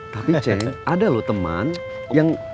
tapi ceng ada loh teman yang